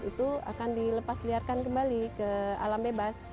itu akan dilepasliarkan kembali ke alam bebas